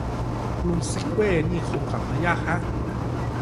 ลุงซิคเว่นี่คงกลับมายากฮะ